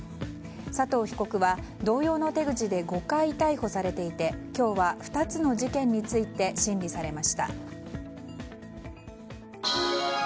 佐藤被告は同様の手口で５回逮捕されていて今日は２つの事件について審理されました。